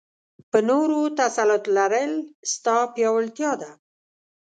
په نورو تسلط لرل؛ ستا پياوړتيا ده.